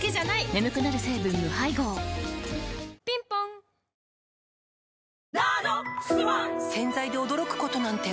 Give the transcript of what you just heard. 眠くなる成分無配合ぴんぽん洗剤で驚くことなんて